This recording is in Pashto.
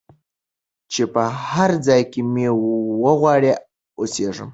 چي په هرځای کي مي وغواړی او سېږم